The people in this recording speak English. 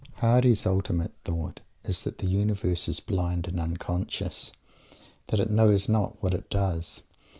Mr. Hardy's ultimate thought is that the universe is blind and unconscious; that it knows not what it does.